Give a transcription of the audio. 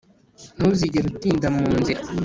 ntuzigere utinda mu nzira